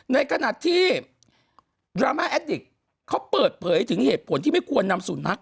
ในขณะที่ดราม่าแอดดิกเขาเปิดเผยถึงเหตุผลที่ไม่ควรนำสุนัข